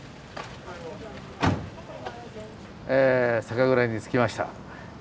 え酒蔵に着きました。